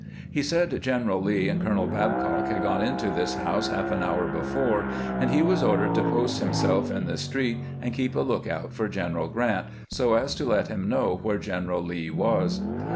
He said General Lee and Colonel Babcock had gone into this house half an hour before, and he was ordered to post himself in the street and keep a lookout for General Grant, so as to let him know where General Lee was.